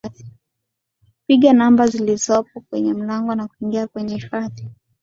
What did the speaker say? piga namba zilizopo kwenye mlango wa kuingia kwenye hifadhi